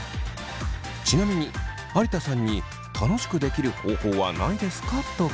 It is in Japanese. ちなみに有田さんに楽しくできる方法はないですか？と聞いたところ。